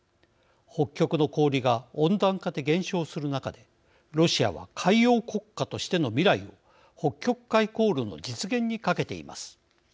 北極の氷が温暖化で減少する中でロシアは海洋国家としての未来を北極海航路の実現にかけています。